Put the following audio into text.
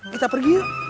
kita pergi yuk